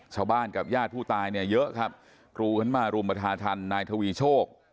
ชาวบ้านกับญาติผู้ตายเนี่ยเยอะครับกรูกันมารุมประธาธรรมนายทวีโชค